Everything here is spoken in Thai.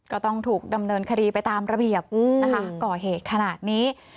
ก็ต้องถูกดำเนินคดีไปตามระเบียบนะคะก่อเหตุขนาดนี้